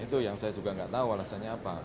itu yang saya juga nggak tahu alasannya apa